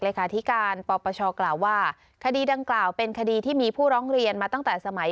ที่การปปชกล่าวว่าคดีดังกล่าวเป็นคดีที่มีผู้ร้องเรียนมาตั้งแต่สมัย